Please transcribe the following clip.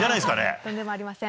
とんでもありません。